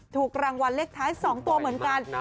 ถูกรางวัลเลขท้าย๒ตัวเหมือนกัน